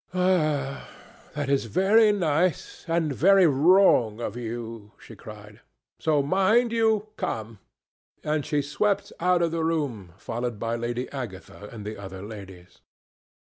"Ah! that is very nice, and very wrong of you," she cried; "so mind you come"; and she swept out of the room, followed by Lady Agatha and the other ladies.